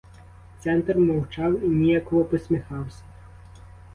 Центр мовчав і ніяково посміхався.